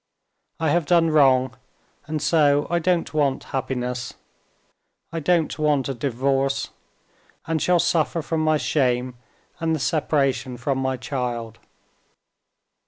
I have done wrong, and so I don't want happiness, I don't want a divorce, and shall suffer from my shame and the separation from my child."